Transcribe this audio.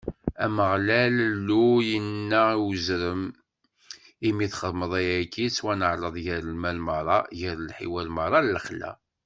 Ameɣlal Illu yenna i uzrem: Imi i txedmeḍ ayagi, tettwaneɛleḍ gar lmal meṛṛa, gar lḥiwan meṛṛa n lexla.